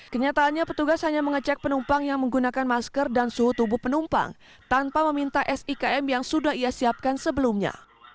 kenyataannya petugas hanya mengecek penumpang yang menggunakan masker dan suhu tubuh penumpang tanpa meminta sikm yang sudah ia siapkan sebelumnya